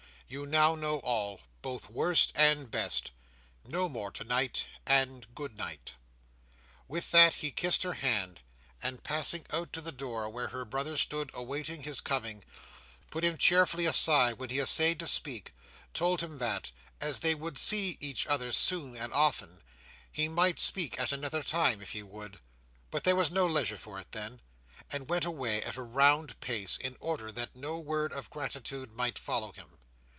You now know all, both worst and best. No more tonight, and good night!" With that he kissed her hand, and, passing out to the door where her brother stood awaiting his coming, put him cheerfully aside when he essayed to speak; told him that, as they would see each other soon and often, he might speak at another time, if he would, but there was no leisure for it then; and went away at a round pace, in order that no word of gratitude might follow him.